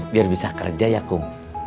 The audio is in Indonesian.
biar bisa kerja ya kum